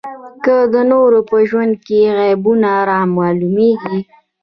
که د نورو په ژوند کې عیبونه رامعلومېږي.